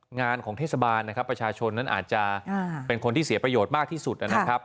งานของเทศบาลนะครับประชาชนนั้นอาจจะเป็นคนที่เสียประโยชน์มากที่สุดนะครับ